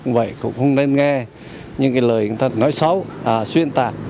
cũng vậy cũng không nên nghe những cái lời nói xấu xuyên tạc